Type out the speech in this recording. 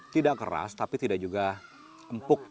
tidak keras tapi tidak juga empuk